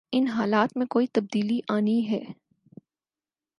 ان حالات میں کوئی تبدیلی آنی ہے۔